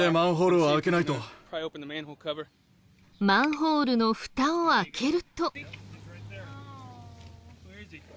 マンホールのフタを開けると。